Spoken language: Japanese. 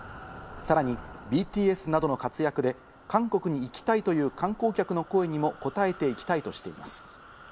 さらにＢＴＳなどの活躍で韓国に行きたいという観光客の声にもこたえていきたいとしています。